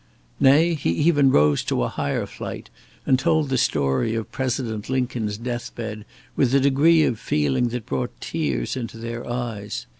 Nay, he even rose to a higher flight, and told the story of President Lincoln's death bed with a degree of feeling that brought tears into their eyes.